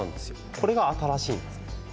これが新しいんです。